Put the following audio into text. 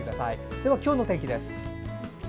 では、今日の天気です。